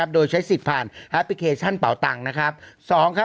โดยใช้สิทธิ์ผ่านแอปพลิเคชันเป่าตังค์นะครับ